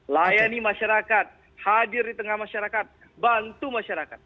layani masyarakat hadir di tengah masyarakat bantu masyarakat